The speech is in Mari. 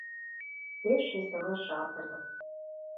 Пеш весела жап ыле!